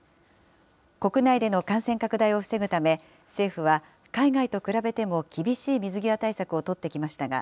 国内での感染拡大を防ぐため、政府は海外と比べても厳しい水際対策を取ってきましたが、